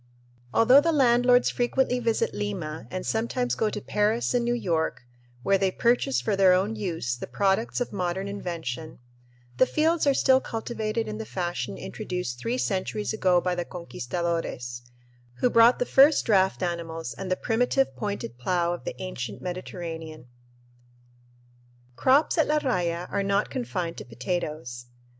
Although the landlords frequently visit Lima and sometimes go to Paris and New York, where they purchase for their own use the products of modern invention, the fields are still cultivated in the fashion introduced three centuries ago by the conquistadores, who brought the first draft animals and the primitive pointed plough of the ancient Mediterranean. Crops at La Raya are not confined to potatoes.